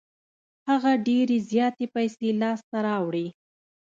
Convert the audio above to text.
هغه ډېرې زياتې پیسې لاس ته راوړې.